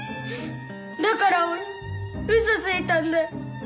だから俺うそついたんだよ。